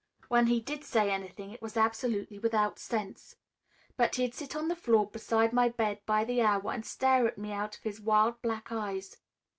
When he did say anything it was absolutely without sense. But he'd sit on the floor beside my bed by the hour, and stare at me out of his wild black eyes.